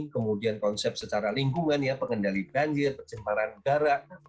kemudian konsep secara lingkungan ya pengendali banjir pencemaran udara